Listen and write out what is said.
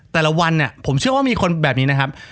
แต่ละวันเนี่ยผมเชื่อว่ามีคนแบบนี้นะครับ